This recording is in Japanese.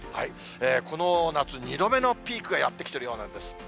この夏２度目のピークがやって来ているようなんです。